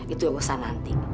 itu yang usah nanti